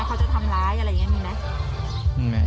เขาจะทำร้ายอะไรอย่างนี้มีไหม